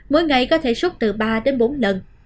mỗi ngày có thể súc từ ba bốn lần